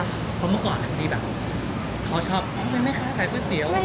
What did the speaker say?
เพราะเมื่อก่อนพอดีแบบเขาชอบเป็นแม่ค้าขายก๋วยเตี๋ยว